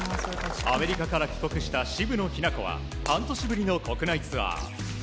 アメリカから帰国した渋野日向子は半年ぶりの国内ツアー。